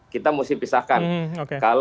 kita mesti pisahkan